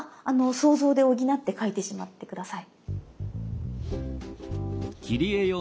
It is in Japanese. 想像で補って描いてしまって下さい。